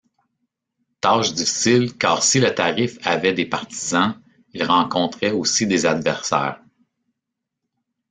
Tâche difficile car si le tarif avait des partisans, il rencontrait aussi des adversaires.